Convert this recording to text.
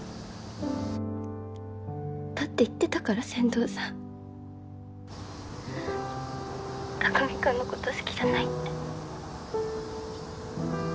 だって言ってたから千堂さん匠君のこと好きじゃないって。